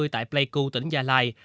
tại pleiku tỉnh gia lai